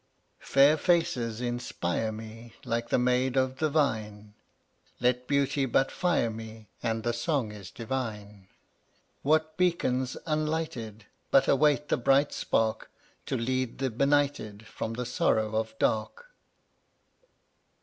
114 Fair faces inspire me Like the Maid of the Vine; Let Beauty but fire me And the song is divine. What beacons unlighted But await the bright spark, To lead the benighted From the sorrow of dark!